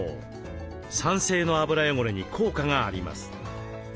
酸性の油汚れに効果があります。